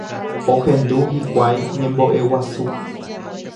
Ohendu hikuái ñembo'eguasu